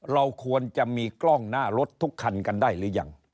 เราควรจะมีกล้องหน้ารถทุกคันกันได้หรือยัง